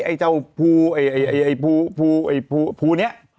ไอ้เจ้าภูไอปูภูเนี่ย